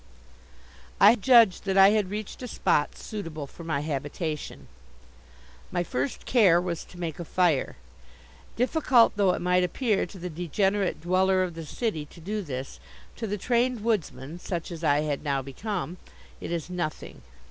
I judged that I had reached a spot suitable for my habitation. My first care was to make a fire. Difficult though it might appear to the degenerate dweller of the city to do this, to the trained woodsman, such as I had now become, it is nothing.